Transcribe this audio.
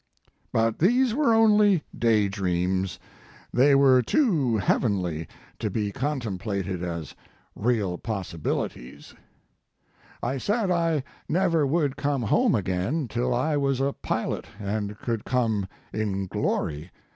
But these were only day dreams they were too heavenly to be jo Mark Twain contemplated as real possibilities. I said I never would come home again till I was a pilot and could come in glory.